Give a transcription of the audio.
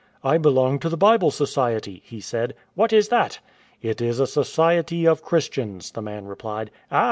" I belong to the Bible Society," he said. "What is that?" "It is a society of Christians," the man replied. " Ah !